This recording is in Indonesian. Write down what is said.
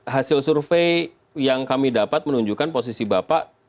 hasil survei yang kami dapat menunjukkan posisi bapak